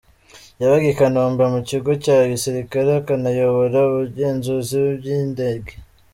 Yabaga i Kanombe mu Kigo cya Gisirikare akanayobora ubugenzuzi bw’indege.